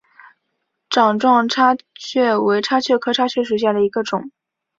掌状叉蕨为叉蕨科叉蕨属下的一个种。